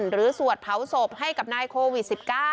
สวดเผาศพให้กับนายโควิด๑๙